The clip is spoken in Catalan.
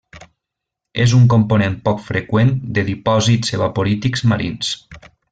És un component poc freqüent de dipòsits evaporítics marins.